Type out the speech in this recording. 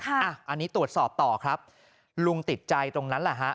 อันนี้ตรวจสอบต่อครับลุงติดใจตรงนั้นแหละฮะ